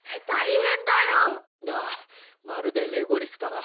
ああまるでレゴリスだな。